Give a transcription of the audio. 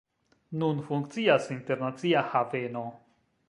Nun funkcias internacia haveno.